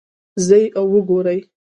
ځئ او وګورئ